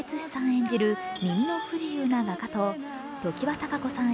演じる耳の不自由な画家と常盤貴子さん